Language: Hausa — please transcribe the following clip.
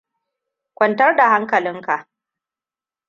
Kwantar da hankalinka!